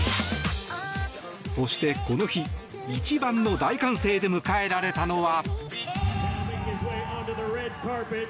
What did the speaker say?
そして、この日一番の大歓声で迎えられたのは。